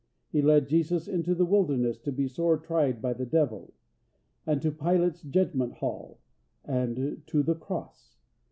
He led Jesus into the wilderness to be sore tried by the Devil, and to Pilate's judgment hall, and to the cross.